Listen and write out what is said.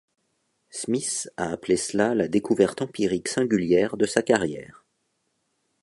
Smith a appelé cela la découverte empirique singulière de sa carrière.